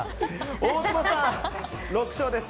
大久保さん、６勝です。